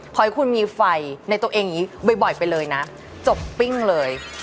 ขอให้คุณมีไฟในตัวเองอย่างนี้บ่อยไปเลยนะจบปิ้งเลย